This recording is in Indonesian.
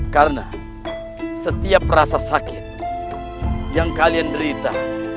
karena setiap rasa sakit yang kalian derita